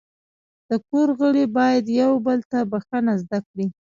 د کور غړي باید یو بل ته بخښنه زده کړي.